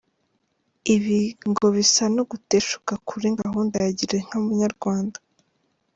Ibi ngo bisa no guteshuka kuri gahunda ya Gira Inka Munyarwanda.